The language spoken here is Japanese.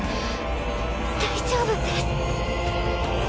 大丈夫です。